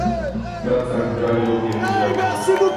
W pracach brali również udział